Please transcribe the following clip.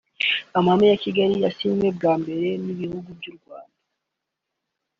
Amahame ya Kigali yasinywe bwa mbere n’ibihugu by’u Rwanda